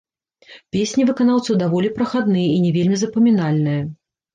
Песні выканаўцаў даволі прахадныя і не вельмі запамінальныя.